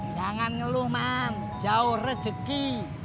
jangan ngeluh man jauh rejeki